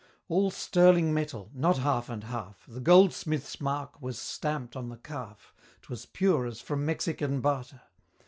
All sterling metal not half and half, The Goldsmith's mark was stamp'd on the calf 'Twas pure as from Mexican barter!